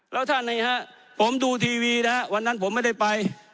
แล้วท่านนี้ฮะผมดูทีวีนะฮะวันนั้นผมไม่ได้ไป